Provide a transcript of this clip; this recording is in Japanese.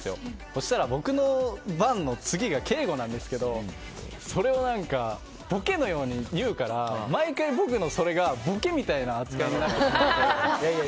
そうしたら僕の番の次が景瑚なんですけどそれをボケのように言うから毎回、僕のそれがボケみたいな扱いになってしまって。